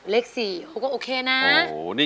เลข๔เขาก็โอเคนะ